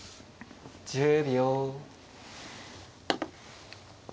１０秒。